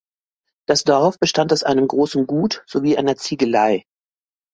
Das Dorf bestand aus einem großen Gut sowie einer Ziegelei.